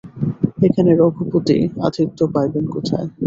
এখানে রঘুপতি আতিথ্য পাইবেন কোথায়!